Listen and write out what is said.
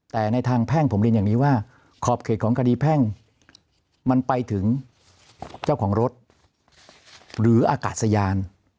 แต่ในทางแพ่งผมเรียนอย่างนี้ว่าขอบเขตของคดีแพ่งมันไปถึงเจ้าของรถหรืออากาศยาน